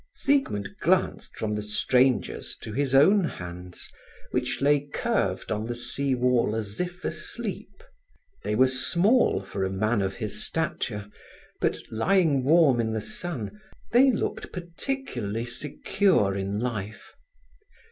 Siegmund glanced from the stranger's to his own hands, which lay curved on the sea wall as if asleep. They were small for a man of his stature, but, lying warm in the sun, they looked particularly secure in life.